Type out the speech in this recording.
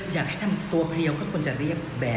อยากให้ทำตัวภายเรียวก็คงจะเรียกแบด